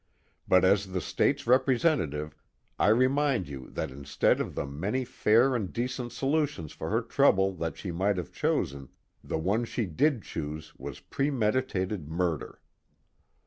But as the State's representative, I remind you that instead of the many fair and decent solutions for her trouble that she might have chosen, the one she did choose was premeditated murder.